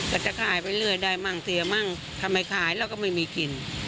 ก็จะขายไปเรื่อยได้มั่งเสียมั่งทำไมขายเราก็ไม่มีกิน